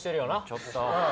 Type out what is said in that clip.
ちょっと。